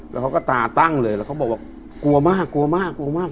แล้วเขาก็ตาตั้งเลยแล้วเขาบอกว่ากลัวมากกลัวมากกลัวมาก